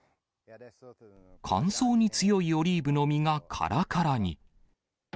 乾燥に強いオリーブの実がからからに。